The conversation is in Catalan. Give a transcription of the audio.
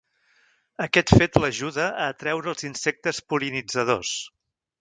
Aquest fet l'ajuda a atreure els insectes pol·linitzadors.